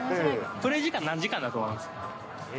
プレー時間何時間だと思います？